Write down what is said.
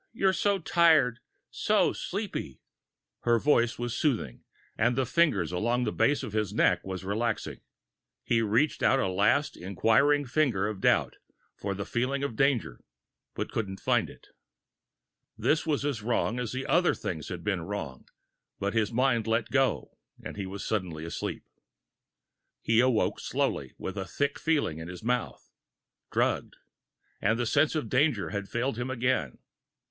You're so tired, so sleepy...." Her voice was soothing, and the fingers along the base of his neck was relaxing. He reached out a last inquiring finger of doubt for the feeling of danger, and couldn't find it. This was as wrong as the other things had been wrong but his mind let go, and he was suddenly asleep. He awoke slowly, with a thick feeling in his mouth. Drugged! And the sense of danger had failed him again!